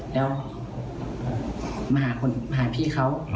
แล้วมาหาพี่เขา